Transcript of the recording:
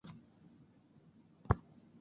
儿子为素性法师。